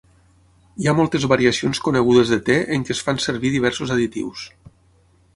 Hi ha moltes variacions conegudes de te en què es fan servir diversos additius.